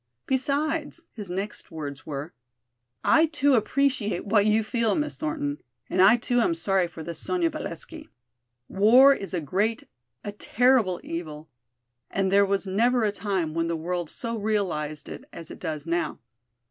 Besides, his next words were: "I too appreciate what you feel, Miss Thornton, and I too am sorry for this Sonya Valesky. War is a great, a terrible evil, and there was never a time when the world so realized it as it does now.